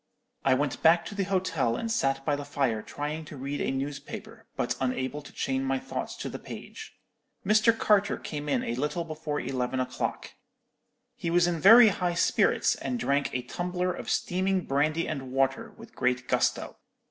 "I went back to the hotel and sat by the fire trying to read a newspaper, but unable to chain my thoughts to the page. Mr. Carter came in a little before eleven o'clock. He was in very high spirits, and drank a tumbler of steaming brandy and water with great gusto.